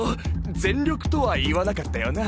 全力とは言わなかったよな？